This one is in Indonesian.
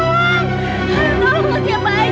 yaudah aku kesana sekarang